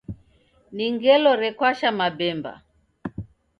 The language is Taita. Ni ngelo rekwasha mabemba